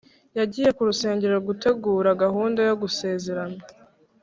yagiye ku rusengero gutegura gahunda yo gusezerana